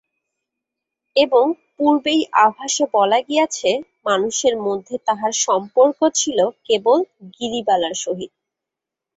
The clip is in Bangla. এবং পূর্বেই আভাসে বলা গিয়াছে, মানুষের মধ্যে তাঁহার সম্পর্ক ছিল কেবল গিরিবালার সহিত।